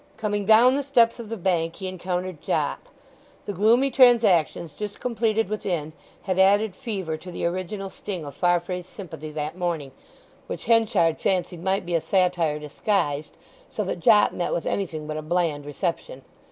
Coming down the steps of the bank he encountered Jopp. The gloomy transactions just completed within had added fever to the original sting of Farfrae's sympathy that morning, which Henchard fancied might be a satire disguised so that Jopp met with anything but a bland reception.